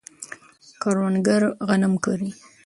کروندګر غنم کري.